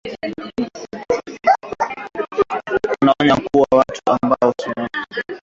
Anaonya kuwa watu ambao wanaamini uongo ndiyo sahihi